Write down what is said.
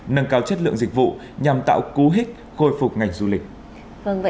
nâng cao chất lượng dịch vụ nhằm tạo cú hích khôi phục ngành du lịch